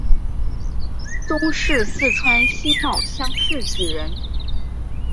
中式四川辛卯乡试举人。